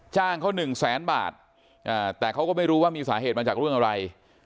จ้างเขาหนึ่งแสนบาทแต่เขาก็ไม่รู้ว่ามีสาเหตุมาจากเรื่องอะไร